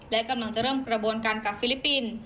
และกำลังจะเริ่มกระบวนการกับฟิลิปปินส์